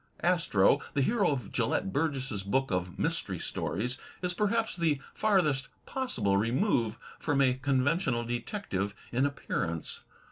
Astro, the hero of Gelett Burgess's book of Mystery Stories, is perhaps the farthest possible remove from a conventional detective in appearance.